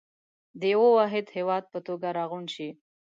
د يوه واحد هېواد په توګه راغونډ شئ.